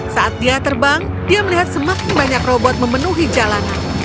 saat dia terbang dia melihat semakin banyak robot memenuhi jalanan